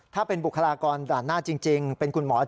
ถ้าเป็นบุคลากรด่านหน้าจริงเป็นคุณหมอ